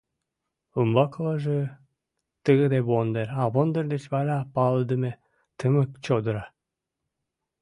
Умбакылаже — тыгыде вондер, а вондер деч вара — палыдыме, тымык чодыра.